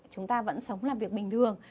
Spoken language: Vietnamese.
chúng ta vẫn sống làm việc bình thường